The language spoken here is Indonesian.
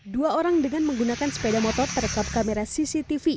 dua orang dengan menggunakan sepeda motor terekam kamera cctv